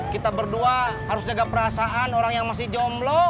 kita berdua harus jaga perasaan orang yang masih jomblo